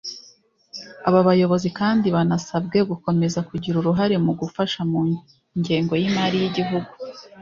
Aba bayobozi kandi banasabwe gukomeza kugira uruhare mu gufasha mu ngengo y’imari y’iguhugu